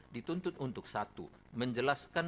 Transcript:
dituntut untuk satu menjelaskan